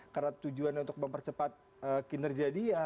karena tujuan untuk mempercepat kinerja dia